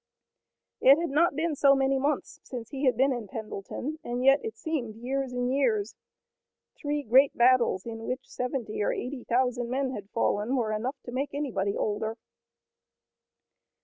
It had not been so many months since he had been in Pendleton, and yet it seemed years and years. Three great battles in which seventy or eighty thousand men had fallen were enough to make anybody older.